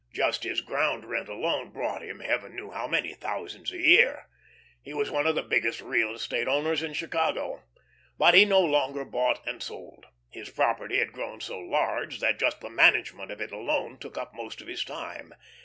Just his ground rent alone brought him, heaven knew how many thousands a year. He was one of the largest real estate owners in Chicago. But he no longer bought and sold. His property had grown so large that just the management of it alone took up most of his time.